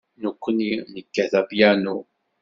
Nekkni nekkat apyanu.